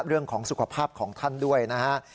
เรื่องของสุขภาพของท่านด้วยนะฮะ